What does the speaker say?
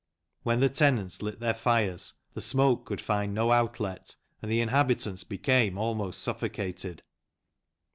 When the tenants lit their fires the smoke could find no outlet, and the inhabitants became almost suffocated.